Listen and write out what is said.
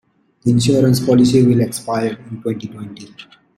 The insurance policy will expire in twenty-twenty.